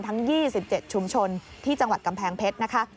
ทั้ง๒๗ชุมชนที่จังหวัดกำแพงเพชรนะคะ